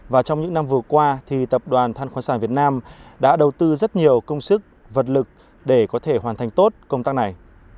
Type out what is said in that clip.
và trong những năm vừa qua thì tập đoàn than khoáng sản việt nam đã đầu tư rất nhiều công sức vật lực để có thể hoàn thành tốt công tác này